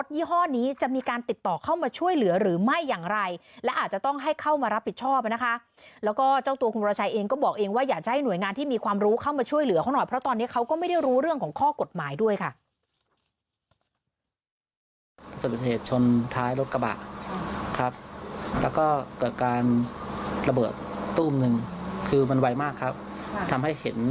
อยากจะให้หน่วยงานที่มีความรู้เข้ามาช่วยเหลือเขาหน่อยเพราะตอนนี้เขาก็ไม่ได้รู้เรื่องของข้อกฎหมายด้วยค่ะ